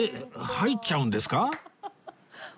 入っちゃうんですか！？